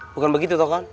bukan begitu toh kan